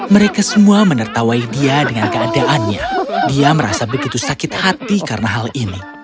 mereka semua menertawai dia dengan keadaannya dia merasa begitu sakit hati karena hal ini